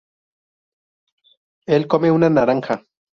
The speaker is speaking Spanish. él come una naranja